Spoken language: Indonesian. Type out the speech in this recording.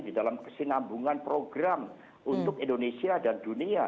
di dalam kesinambungan program untuk indonesia dan dunia